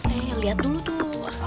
eh ya lihat dulu tuh